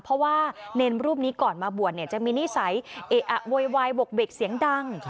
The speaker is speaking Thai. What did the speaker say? เพราะว่าเนรรูปนี้ก่อนมาบวชเนี่ยจะมีนิสัยเอะอะโวยวายบกเบกเสียงดัง